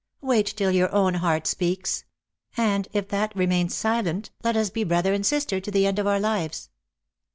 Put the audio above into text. Wait till your own heart speaks ; and if that remains silent, let us be brother and sister to the end of our lives."